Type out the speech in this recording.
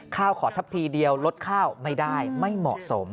ขอถ้าพีเดียวลดข้าวไม่ได้ไม่เหมาะสม